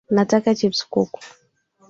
Nataka chipsi kuku